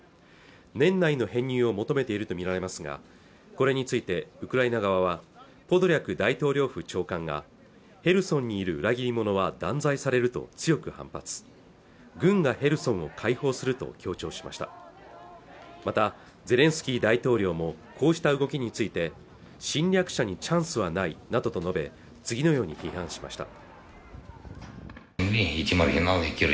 年内の編入を求めていると見られますがこれについてウクライナ側はポドリャク大統領府長官がヘルソンにいる裏切り者は断罪されると強く反発軍がヘルソンを解放すると強調しましたまたゼレンスキー大統領もこうした動きについて侵略者にチャンスはないなどと述べ次のように批判しました